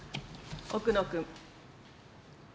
奥野君。